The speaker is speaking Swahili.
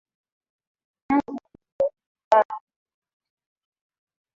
chanzo mto ruaha ni mito mingi midogo